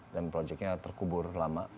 dan proyeknya terkubur lama